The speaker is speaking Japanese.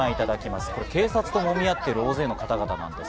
警察ともみ合ってる大勢の方々です。